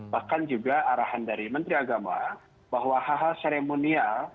bahkan juga arahan dari menteri agama bahwa haja seremonia